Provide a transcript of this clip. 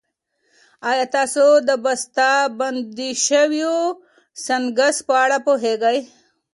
ایا تاسو د بستهبندي شويو سنکس په اړه پوهېږئ؟